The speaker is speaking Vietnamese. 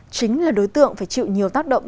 chính là đối tượng phải chịu nhiều tác động